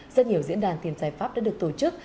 rất nhiều diễn đàn tìm giải pháp đã được tổ chức